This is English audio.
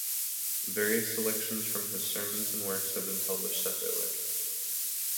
Various selections from his sermons and works have been published separately.